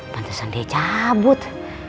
pantesan dia cabut